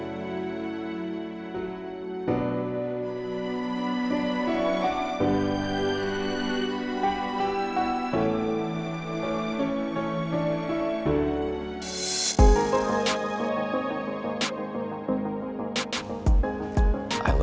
aku cintamu dengan hati hati